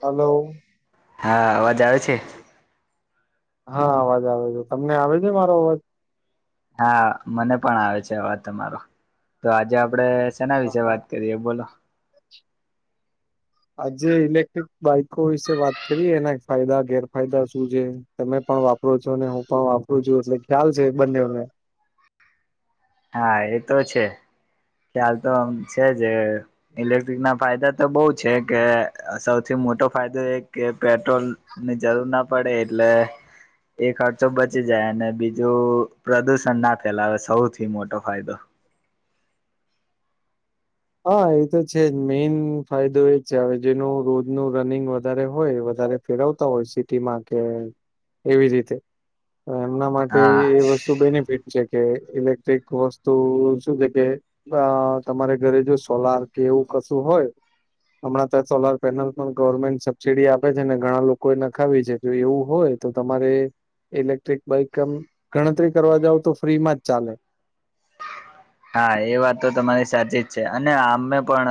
હાલો. હા અવાજ આવે છે? હા અવાજ આવે છે, તમને આવે છે મારો અવાજ? હા મને પણ આવે છે અવાજ તમારો, તો આજે આપડે શેના વિશે હા વાત કરીએ એ બોલો? આજે ઇલેક્ટ્રિક બાઈકો વિશે વાત કરીએ એના ફાયદા ગેરફાયદા શું છે? તમે પણ વાપરો છો, હું પણ વાપરું છું, એટલે ખ્યાલ છે બંનેને. હા એતો છે, ખ્યાલ તો આમ છે જ. ઇલેક્ટ્રિકના ફાયદા તો બહુ છે, કે સૌથી મોટો ફાયદોએ કે પેટ્રોલ. ને જરૂર ના પડે એટલે, એ ખર્ચો બચી જાય અને બીજું પ્રદુષણના ફેલાવે સૌ થી મોટો ફાયદો. હા એતો છે, જ મેઈન ફાયદો એજ છે, જેનું રોજનું રનિંગ વધારે હોય વધારે. ફેરવતા હોય સિટીમાં કે એવી રીતે, તો એમના માટે હા. એ વસ્તુ બેનિફિટ છે. કે ઇલેક્ટ્રિક વસ્તુ શું છે, કે તમારે. ઘરે જો સોલર કે એવું કશું હોય, હમણાં તો સોલારપેનલ ગવર્મેન્ટ સબસીડી આપે છે, ને ઘણા લોકો એ નખાવી છે. જો એવું હોય તો તમારે, ઇલેક્ટ્રિક બાઈક આમ ગણતરી કરવા જાવ તો ફ્રીમાં જ ચાલે. હા એ વાત તો તમારી સાચી જ છે, અને આમે પણ.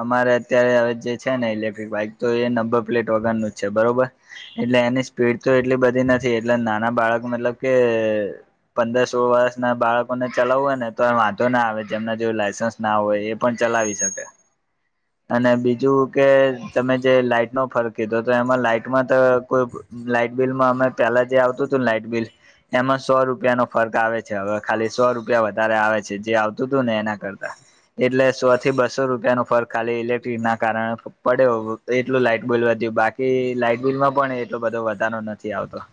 અમારે અત્યારે હવે જે છે ને ઇલેક્ટ્રિક બાઈક તો એ નંબર પ્લેટ વગરનું જ છે બરોબર. એટલે એની સ્પીડ તો એટલી બધી નથી એટલે નાના બાળક મતલબ કે, પંદર સોળ વર્ષ ના બાળકોને ચાલવું હોય ને. તો વાંધો ના આવે જેમના જોડે લાયસન્સ ના હોય એ પણ ચલાવી શકે. [inaudible] અને બીજું કે તમે જે લાઈટ નો ફરક કીધો તો એમાં લાઈટમાં તો કોઈ. લાઈટ બિલ માં અમે પેલા જે આવતુંતું લાઈટ બિલ. એમાં સો રૂપિયા નો ફર્ક આવે છે. હવે ખાલી સો રૂપિયા વધ ધારે આવે છે. જે આવતુંતું ને એના કરતા. એટલે સો થી બસો રૂપિયા નો ફરક ખાલી ઇલેક્ટ્રિક ના કારણે પડ્યો. તો એટલું લાઈટ બિલ વધ્યું બાકી લાઈટ બિલમાં પણ એટલો બધો વધારનો નથી આવતો.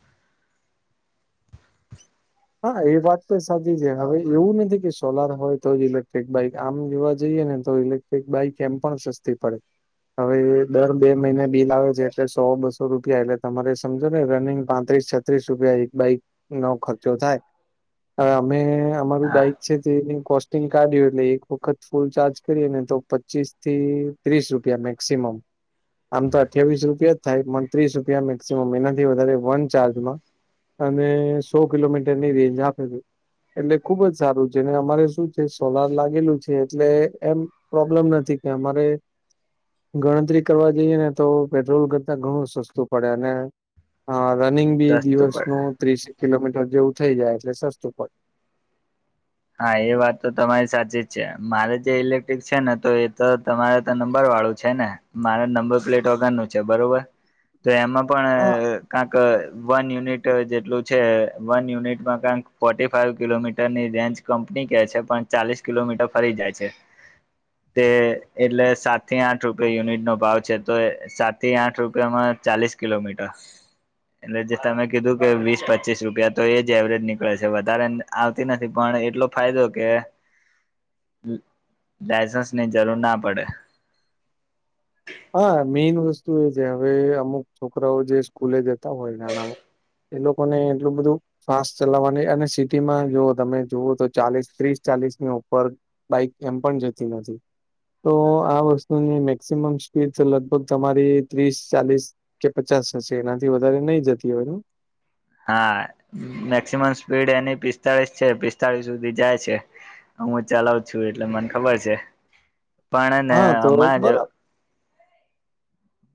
[inaudible] હા એ વાત તો સાચી છે. હવે એવું નથી કે સોલાર હોય તો જ ઇલેક્ટ્રિક બાઈક આમ જોવા જઈએ ને, તો ઇલેક્ટ્રિક બાઈક એમ પણ સસ્તી પડે. હવે દર બે મહિને બિલ આવે છે એટલે સો બસો રૂપિયા એટલે તમારે સમજો ને રનિંગ પાંત્રીસ. છત્રીસ રૂપિયા એક બાઈક નો ખર્ચો થાય હવે અમે અમારુ હા બાઈક. પછી કોસ્ટિંગ કાઢ્યું એટલે એક વખત ફૂલ ચાર્જ કરીએ ને તો પચીસ થી, ત્રીસ રૂપિયા મેક્સિમમ. આમ તો અઠ્યાવીસ રૂપિયા જ થાય પણ ત્રીસ રૂપિયા મેક્સિમમ એનાથી વધારે વન ચાર્જમાં. અને સો કિલોમીટરની રેન્જ આપે છે. એટલે ખુબ જ સારું છેને અમારે શું છે સોલાર લાગેલું છે એટલે એમ. પ્રોબ્લેમ નથી કે અમારે. ગણતરી કરવા જઈએ ને તો પેટ્રોલ કરતા ઘણું સસ્તું પડે અને હા રનિંગ બી સસ્તું પડે દિવસનું ત્રીસ કિલોમીટર જેવું થઇ જાય એટલે સસ્તું પડે. હા એ વાત તો તમારી સાચી જ છે મારે જે ઇલેક્ટ્રિક છે તો એ તો તમારે તો નંબર વાળું છે ને, મારે નંબર પ્લેટ વગર નુ છે. બરોબર તો એમાં પણ હા કાંક વન યુનિટ જેટલું છે, વન યુનિટમાં કાન્ક ફોર્ટી ફાઈવ કિલોમીટર ની રેન્જ કંપની કે છે પણ ચાલીસ કિલોમીટર ફરી જાય છે. તે એટલે સાત થી આઠ રૂપિયા યુનિટ નો ભાવ છે તો એ સાતથી આઠ રૂપિયામાં ચાલીસ કિલોમીટર. [inaudible] જે તમે કીધું કે વીસ પચીસ રૂપિયા તો એ જ એવરેજ નીકળે છે. વધારે આવતી નથી પણ, એટલો ફાયદો કે ડાયસન્સની જરૂર ના પડે. હા મેન વસ્તુ એ છે. હવે અમુક છોકરાઓ જે સ્કૂલે જતા હોય નાનામાં એ લોકો ને એટલું બધું. ફાસ્ટ ચલાવવાની અને સિટીમાં જો તમે જોવું તો ચાલીસ ત્રીસ ચાલીસની ઉપર. બાઈક એમ પણ જતી નથી, તો આ વસ્તુની મેક્સીમમ સ્પીડ છે. લગભગ તમારી ત્રીસ ચાલીસ કે પચાસ હશે એનાથી વધારે નહી જતી હોય ની, હા મેક્સિમમ સ્પીડ એની પિસ્તાળીસ છે, પિસ્તાળીસ સુધી જાય છે. હું ચલાવ છું એટલે મન ખબર છે પણ ને હા તો હમાણા જ બરાબર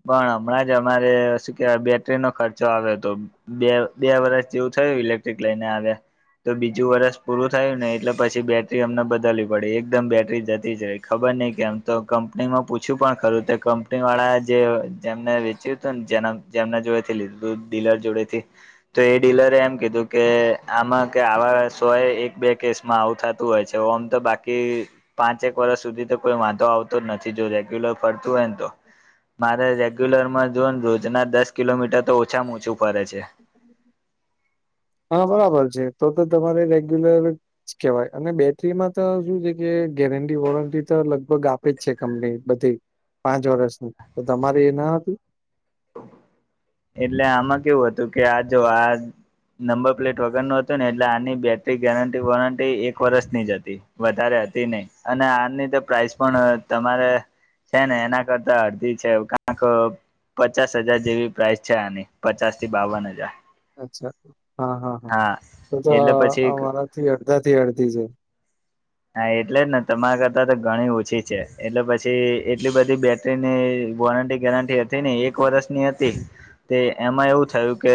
પણ હમણાં જ અમારે શું કેવાય બેટરી નો ખર્ચો આવ્યોતો. બે બે વર્ષ જેવું થયું ઇલેક્ટ્રિક લઈને આવ્યા. તો બીજું વરષ પૂરું થયું ને એટલે પછી બેટરી અમને બદલવી પડી એકદમ બેટરી જતી જ રયી. ખબર નઈ કેમ તો કંપનીમાં પૂછ્યું પણ ખરું તે કંપની વાળા. જે જેમને વેચ્યું હતું ને જે જેમને જોડે થી લીધું ડીલર જોડે થી. તો એ ડીલરે એમ કીધું કે આમાં કે આવા સોએ એક બે કેસ, મા આવું થાતું હોય છે ઓમ તો બાકી. પાંચેક વરસ સુધી તો કોઈ વાંધો આવતો જ નથી જો રેગ્યુલ ફરતું હોય ન તો. [inaudible] મારે રેગ્યુલર માં જોન રોજના દસ કિલોમીટ તો ઓછામાં ઓછું ફરે છે. હં બરાબર ચે તો તો તમારે રેગ્યુલર. કેવાય અને બેટરીમાં તો શું છે કે ગેરંટી વોરંટી તો લગભગ આપે છે કંપની બધી. પાંચ વરસ ની તો તમારે એ ન હતી. એટલે આમાં કેવું હતું કે આ જો આ, નંબર પ્લેટ વગરનું હતું ને એટલે આની બેટરી ગેરંટી વોરંટી એક વરસની જ હતી. વધારે હતી નઇ અને આની તો પ્રાઇસ પણ તમારે. છે ને એના કરતા અળધી છે, કાક પચાસ હજાર જેવી. પ્રાઇસ છે. આની પચાસ થી બાવન હજાર અચ્છા હં હં હ હા તોતો એટલે આ પછી અમારાથી અડધા થી અડધી છે. હા એટલે જ ને તમારા કરતા તો ગણી ઓછી છે, એટલે પછી એટલી બધી બે તેની વોરંટી ગેરંટી હતી નઇ એક વરસની હતી. તે એમાં એવું થયું કે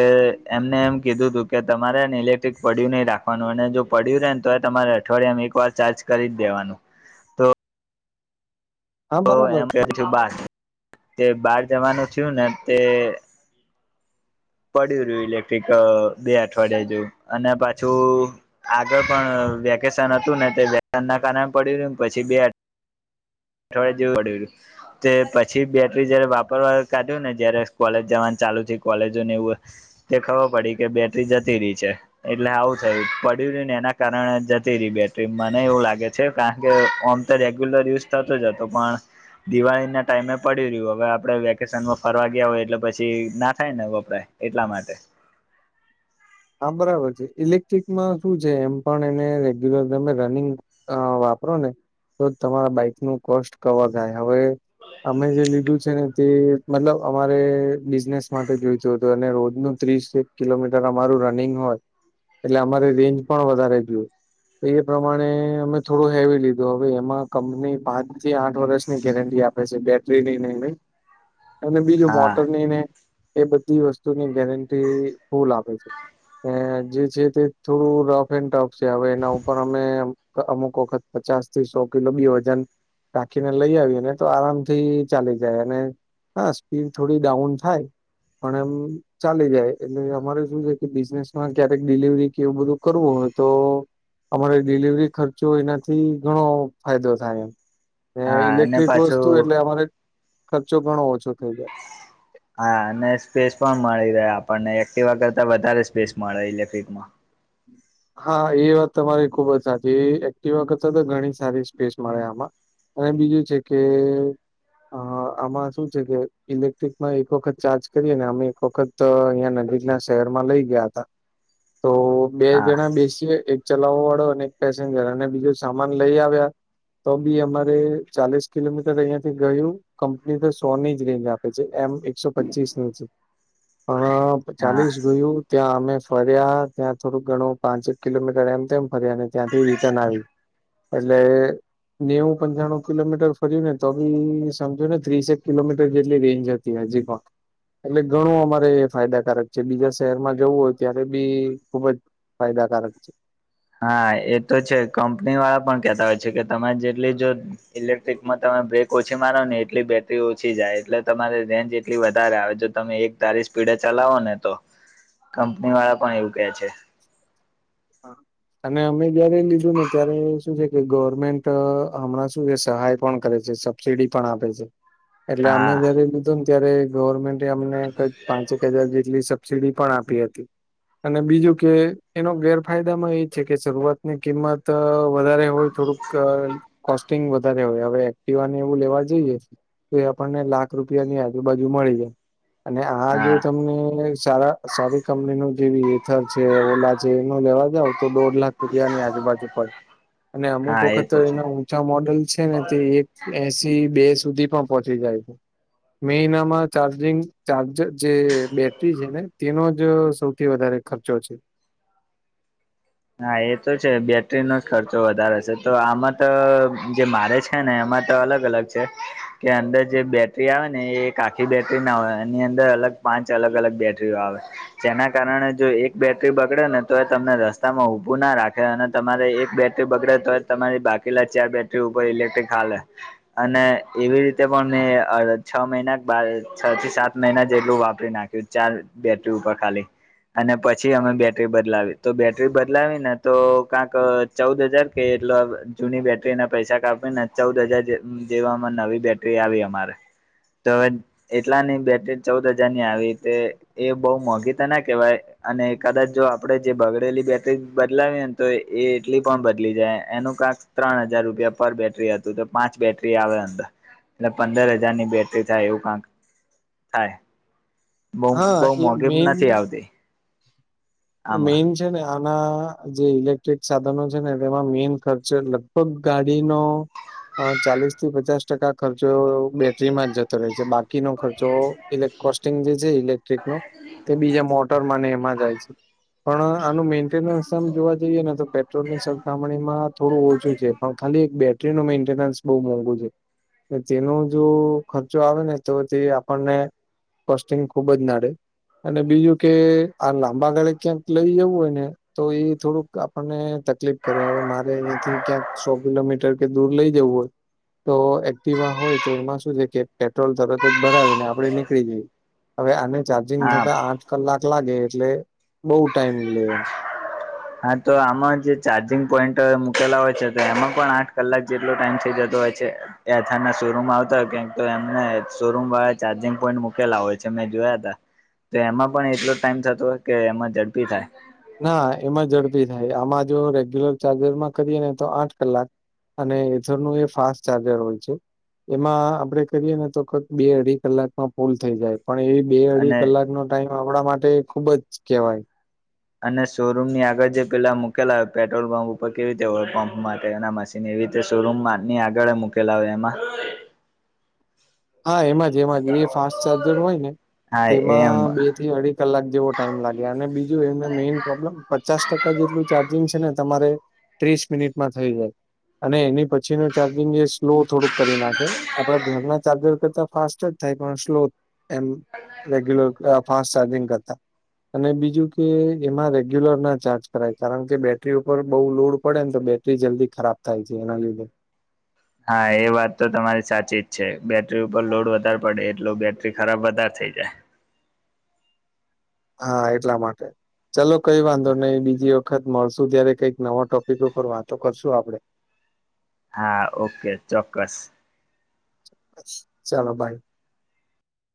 એમને એમ કીધું તું કે તમારેને ઇલેક્ટ્રિક પડ્યુ નય રા પન અને જો પડ્યું રે ને તોયે તમારે અઠવાળિયામાં એક વાર ચાચૅ કરી જ દેવાનું. હા તો બરાબર એમ છે [unintelligible] બાર જવાનું થ્યુ ને તે પડ્યું રયુ ઇલેક્ટ્રિક બે અઠવાડિયા જેવુ અને પાછુ, આગળ પણ વેકેશન હતું ને તે [unintelligible] ના કારણે પડીરયું ને પછી બે, અઠવાડિયા જેવું પડ્યું રયુ. તે પછી બેટરી જયારે વાપરવા કાઢ્યું ને જયારે સ્કોલેજ જવાનું ચાલુ થી કોલેજો ને એવું, તે ખબર પડી કે બેટરી જતી રી છે. એટલે આવું થયુ પડ્યું રયુ ને એના કારણે જતી રહી બેટરી મને એવું લાગે છે કાહ કે ઓમ. તો રેગ્યુલર યુસ થાતો જાતો પણ, દિવાળી ના ટાઈમે પડી રયુ હવે આપડે વેકેશનમાં ફરવા ગ્યા હોય એટલે પછી ના થાય ને વપરાાય. એટલા માટે હા બરાબર ચે ઇલેક્ટ્રિકમાં શું છે? એમ પણ એને રેગ્યુલર તમે રનિંગ અં વાપરો ને તોજ તમારા બાઈક નું કોસ્ટ કવર થાય હવે. અમે જે લીધું છે ને તે મતલબ અમારે બિઝનેસ માટે જોઈતું હતું અને રોજ નુ ત્રીસ એક કિલોમીટર. મારુ રનિંગ હોય. એટલે અમારે રેન્જ પણ વધારે જોઈએ. એ પ્રમાણે અમે થોડું હેવી લીધું. હવે એમાં કંપની પાંચ થી આઠ વરસની ગેરંટી આપ- પે છે, બેટરી ની ને એની. અને બીજું હા મોટર, ની ને એ બધી વસ્તુની ગેરંટી ફુલ આપે છે. ને જે છે તે થોડું રફ એન ટફ સે. હવે એના ઉપર અમે અમુક વખત પચાસ થી સો કિલો બી વજન રાખીને લઈ આવીએ ને તો આરામથી ચાલી જાય. અને હા. સ્પીન થોડી ડાઉન થાય, પણ એમ ચાલી જાય. એટલે અમારે શું છે કે બિસનેસમાં ક્યારેક ડિલિવરી કે એવું બધું કરવું હોય તો અમારે ડિલીવરી ખર્ચો એનાથી ઘણો ફાયદો થાય એમ. હે હા અને ઇલેક્ટ્રિક વસ્તુ પાછું એટલે અમારે ખર્ચો ઘણો ઓછો થઇ જાય. હા. અને સ્પેસ પણ મળી રહે આપણને, એક્ટિવા કરતા વધારે સ્પેસ મળે ઇલેક્ટ્રિકમાં. હા એ વાત તમારી ખુબ જ સાચી. ઈ એક્ટિવા કરતાં તો ઘણી સારી સ્પેસ મળે આમાં. અને બીજું છે કે હા. આમાં શું છે કે ઇલેક્ટ્રિકમાં એક વખત ચાર્જ કરીએ ને, અમે એક વખત તો ન્યાં નજીકના શહેરમાં લઈ ગિયા તા. તો બે હા જણા બેસીએ એક ચલાવવા વાળો અને એક પેસેન્જર, અને બીજું સામાન લઈ આવ્યા તો બી અમારે ચાલીસ કિલોમીટર અહિયાં થી ગયું કંપની તો સો ની જ રેન્જ આપે છે, એમ એકસો પચીસની છે. પણ તો હા ચાલીસ ગયું, ત્યાં અમે ફર્યા ત્યાં થોડુંક ઘણું પાંચેક કિલોમીટર એમ તેમ ફર્યા, અને ત્યાંથી રિટર્ન આવી. એટલે નેવું-પંચાણું કિલોમીટર ફર્યું ને તો બી સમજો ને ત્રીસેક કિલોમીટર જેટલી રેન્જ હત તી હજી પણ. એટલે ઈ ઘણું અમારે ફાયદાકારક છે. બીજા શહેરમાં જવું હોય ત્યારે બી ખુબ જ ફાયદાકારક છે. હા એ તો છે. કંપની વાળા પણ કહેતા હોય છે કે તમે જેટલી જો જ ઇલેક્ટ્રિકમાં તમે બ્રેક ઓછી મારો ને એટલી બેટરી ઓછી જાય. એટલે તમારે રેન્જ એટલી વધારે આવે. જો તમે એક ધારી સ્પીડે ચલાવો ને તો. કંપનીવાળા પણ એવું કહે છે. હા. અને અમે જયારે લીધું ને ત્યારે શું છે કે ગવર્મેન્ટ હમણાં શું છે, સહાય પણ કરે છે, સબ સીડી પણ આપે છે. એટલે અમે હા જયારે લીધું ને ત્યારે ગવર્મેન્ટે અમને કંઈક પાંચેક હજાર જેટલી સબ સીડી પણ આપી હતી. અને બીજું કે એનો ગેર ફાયદામાં એ છે કે, શરૂઆતની કિંમત વધારે હોય, થોડુંક કોસ્ટિંગ વધારે હોય. હવે એક્ટિવાને એવું લેવા જઈએ તો એ આપણને લાખ રૂપિયાની આજુબાજુ મળી રહે. અને આ જો હા તમને સારા સારી કંપની નું જેવી એથર છે, ઓલા છે નો લેવા જાવ તો દોઢ લાખ રૂપિયાની આજુબાજુ પડે. અને અમુક હા એ વખત તો છે એનાવ છ મોડલ છે ને તે એક એંશી બે સુધી પણ પહોંચી જાય છે. મે એનામાં ચાર્જિંગ ચાર્જર જે બેટરી છે ને તેનો જ સૌથી વધારે ખર્ચો છે. હા એ તો છે. બેટરીનો જ ખર્ચો વધારે છે. તો આમાં તો જે મારે છ છે ને એમાં તો અલગ-અલગ છે. કે અંદર જે બેટરી આવે ને એ એક આખી બેટરી ના હોય. એની અંદર અલગ પાંચ અલગ-અલગ બેટરીઓ આવે. જેના કારણે જો એક બેટરી બગડે ને તોઈ તમને રસ સ્તામાં ઊભું ના રાખે. અને તમારે એક બેટરી બગડે તોય તમારી બાકીલા ચાર બેટરી ઉપર ઇલેક્ટ્રિક હાલે. અને એવી રીતે પણ મેં છ મહિના બાર છ થી સાત મહિના જેટલું વાપરી નાખ્યું ચાર બેટરી ઉપર ખાલી અને પછી અમે બેટરી બદલાવી તો બેટ બેટરી બદલાવીને તો કાંક ચૌદ હજાર કે એટલે જૂની બેટરીના પૈસા કાપવીને ચૌદ હજાર જે જેવામાં નવી બેટરી આવી અમારે તો હવે એટલાની બેટરી ચૌદ હજા રની આવી તે એ બઉ મોંઘી તો ના કહેવાય અને કદાચ જો આપડે જે બગડેલી બેટરી બદલાવીને તો એ એટલી પણ બદલી જાય એનું કાક ત્રણ હજાર રૂપિયા પર બેટરી હતું તો પાંચ બેટરી આવે અંદર એટલે પંદર હજારની બેટરી થાય એવું કાક થાય બઉ હા બઉ એ મોંઘી નથી આવતી. આમાં મેઇનસ છે ને આના જે ઇલેક્ટ્રિક સાધનો છે ને તેમાં મેન ખર્ચ લગભગ ગાડીનો અ ચાલીસ થી પચાસ ટકા ખર્ચો બેટરીમાં જતો રહે છે બાકી નો ખર્ચો ઇલે કોસ્ટિંગ જે છે ઇલેક્ટ્રિક નો તે બીજા મોટર માને એમાં જાય છે પણ આનું મેન્ટેનન્સ આમ જોવા જઈએ ને તો પે ટ્રોલની સરખામણીમાં થોડું ઓછું છે પણ ખાલી એક બેટરીનું મેન્ટેનન્સ બહુ મોંઘુ છે. ને તેનો જો ખર્ચો આવે ને તો જે આપણને કોસ્ટિંગ ખુબ જ નડે અને બીજું કે આ લાંબા ગાળે ક્યાંક લઈ જવું હોય ને તો એ થોડુંક આપણને તકલીફ કરે હવે મારે અહીંયાથી ક્યાંક સો કિલોમીટર કે દૂર લઇ જવું હોય તો એક્ટીવા હોય તો એમાં શું છે કે પેટ્રોલ તરત જ ભરાવીએ ને આપણે નીકળી જઈ હવે આને ચાર્જિંગ હા થતા આઠ કલાક લાગે એટલે બઉ ટાઈમ લે એમ હાતો આમાં જે ચાર્જિંગ પોઈન્ટ મૂકેલા હોય છે તો એમાં પણ આઠ કલાક જેટલો ટાઈમ થઇ જતો હોય છે. એથરના શોરૂમ આવતા કતો એમને શોરૂમવાળા ચાર્જિંગ પોઈન્ટ મૂકેલા હોય છે મેં જોયાતા. તો એમાં પણ એટલો ટાઈમ થતો હોય કે એમાં ઝડપી થાય? ના એમાં ઝડપી થાય આમાં જો રેગ્યુલર ચાર્જરમાં કરીએ ને તો આઠ કલાક અને એથરનું એ ફાસ્ટ ચાર્જર હોય છે એમાં આપડે કરીયે ને તો કરીએ બે અઢી કલાકમાં ફૂલ થઈ જાય પણ એ અને બે-અઢી કલાકનો ટાઈમ આપણા માટે ખુબ જ કેહેવાય. અને શોરૂમની આગળ જે પેલા મૂકેલા પેટ્રોલ પંપ ઉપર કેવી રીતે હોય પંપ માટે એના મશીન ને એવી રીતે શોરૂમમાંની આગળ મૂકેલા હોય એમાં હા, એમાં જ એમાં જ એ ફાસ્ટ ચાર્જર હોય ને હા એમ તેમાં બે થી અઢી કલાક જેવો ટાઈમ લાગે અને બીજું એને મેઈન પ્રોબ્લેમ પચાસ ટકા જેટલું ચાર્જિંગ છે ને તમારે ત્રીસ મિનિટમાં થઈ જાય અને એની પછી પછીનું ચાર્જિંગ એ સ્લો થોડુંક કરી નાખે આપડા ઘરના ચાર્જર કરતા ફાસ્ટ જ થાય પણ સ્લો એમ રેગ્યુલર ફાસ્ટ ચાર્જિંગ કરતા અને બીજું કે જેમાં રેગ્યુલર ના ચાર્જ કરાય કારણ કે બેટરી ઉપર બહુ લોડ પડે ને તો બેટરી જલ્દી ખરાબ થાય છે એના લીધે. હા એ વાત તો તમારી સાચી જ છે બેટરી ઉપર લોડ વધારે પડે એટલો બેટરી ખરાબ વધારે થઇ જાય. હા એટલા માટે ચલો કંઇ વાંધો નહીં બીજી વખત મળશું ત્યારે કંઈક નવા ટોપિક વાતો કરશું આપડે. હા, ઓકે ચોક્કસ. ચાલો બાય.